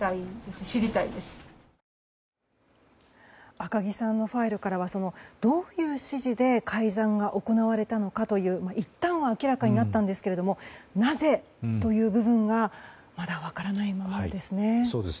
赤木さんのファイルからはどういう指示で改ざんが行われたのかという一端は明らかになったんですがなぜ、という部分がまだ分からないままですね。